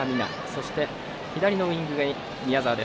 そして、左のウィングに宮澤。